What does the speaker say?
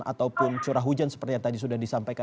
ataupun curah hujan seperti yang tadi sudah disampaikan